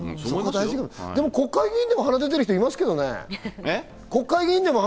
でも、国会議員でも鼻出てる人いますけどね。